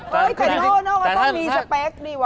แต่โน่ต้องมีสเปคดีวะ